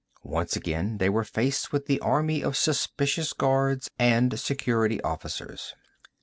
Once again, they were faced with the army of suspicious guards and security officers.